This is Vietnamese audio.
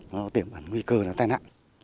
nó tiểm ẩn nguy cơ là tai nạn